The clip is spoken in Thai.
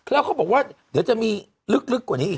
แล้วเขาบอกว่าเดี๋ยวจะมีลึกกว่านี้อีก